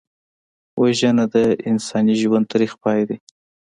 وژنه د انساني ژوند تریخ پای دی